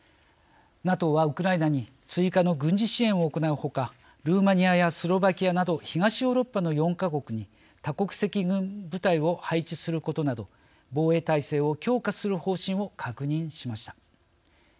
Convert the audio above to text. ＮＡＴＯはウクライナに追加の軍事支援を行うほかルーマニアやスロバキアなど東ヨーロッパの４か国に多国籍軍部隊を配置することなど防衛体制を強化する方針を確認しました。